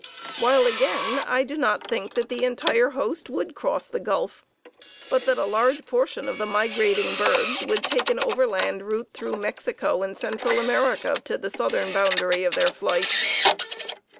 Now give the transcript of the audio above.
While again I do not think that the entire host would cross the Gulf, but that a large portion of the migrating birds would take an overland route through Mexico and Central America to the southern boundary of their flight.